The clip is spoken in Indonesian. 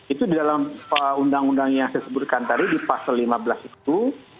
itu di dalam undang undang yang saya sebutkan tadi di pasal lima belas itu